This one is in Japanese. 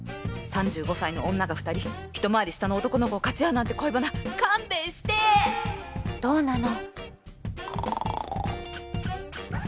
３５歳の女が２人ひと回り下の男の子をかち合うなんて恋バナ勘弁して！どうなの？